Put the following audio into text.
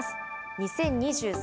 ２０２３